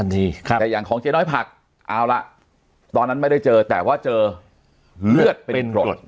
แต่อย่างของเจ๊น้อยผักเอาละตอนนั้นไม่ได้เจอแต่ว่าเจอเลือดเป็นกรด